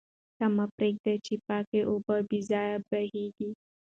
ته مه پرېږده چې پاکې اوبه بې ځایه بهېږي.